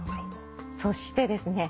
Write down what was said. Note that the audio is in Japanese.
そしてですね